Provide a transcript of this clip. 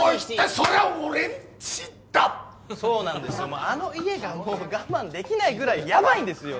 もうあの家がもう我慢できないぐらいやばいんですよ。